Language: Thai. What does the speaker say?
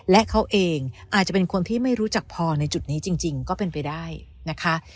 และเขาเองอาจจะเป็นคนที่ไม่รู้จักพอในจุดนี้จริงก็เป็นไปได้นะคะ